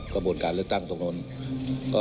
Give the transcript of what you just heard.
กระบวนการเลือกตั้งตรงโน้น